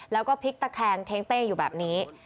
แล้วก็พลิกตะแคงเท้งเต้อยู่แบบนี้